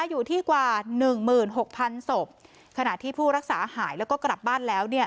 อยู่ที่กว่าหนึ่งหมื่นหกพันศพขณะที่ผู้รักษาหายแล้วก็กลับบ้านแล้วเนี่ย